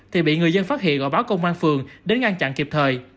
thì bị người dân phát hiện gọi báo công an phường đến ngăn chặn kịp thời